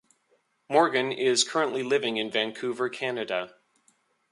Morgan is currently living in Vancouver, Canada.